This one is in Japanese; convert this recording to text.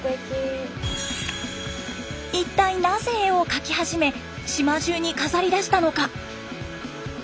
一体なぜ絵を描き始め島中に飾りだしたのか？